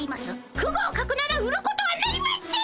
不合格なら売ることはなりません！